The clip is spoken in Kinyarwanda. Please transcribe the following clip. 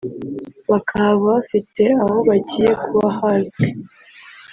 bakahava bafite aho bagiye kuba hazwi